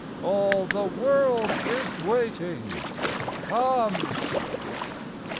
All the world is waiting. Come